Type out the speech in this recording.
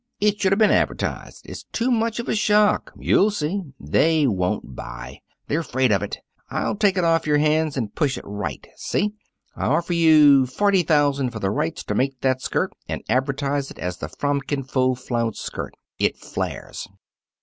It should have been advertised. It's too much of a shock. You'll see. They won't buy. They're afraid of it. I'll take it off your hands and push it right, see? I offer you forty thousand for the rights to make that skirt and advertise it as the 'Fromkin Full flounce Skirt. It Flares!'"